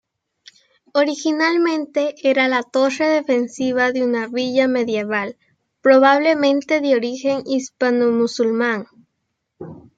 Originalmente era la torre defensiva de una villa medieval, probablemente de origen hispanomusulmán.